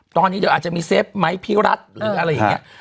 ตอนนี้เดี๋ยวอาจจะมีเซฟไมค์พรีรัฐอืม